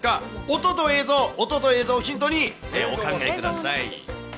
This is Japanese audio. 音と映像、音と映像をヒントにお考えください。